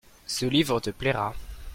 Ce livre te plaira.